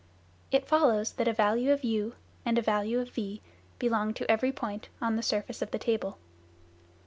It follows that a value of u and a value of v belong to every point on the surface of the table.